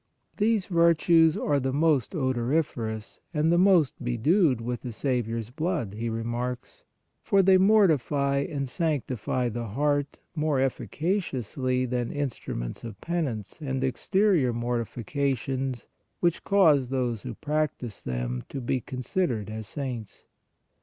" These virtues are the most odoriferous and the most bedewed with the Saviour s blood," he remarks, " for they mortify and sanctify the heart more efficaciously than instru ments of penance and exterior mortifications which cause those who practise them to be considered as saints."